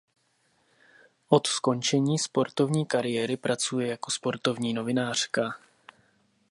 Od skončení sportovní kariéry pracuje jako sportovní novinářka.